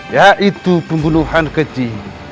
yaitu pembunuhan keji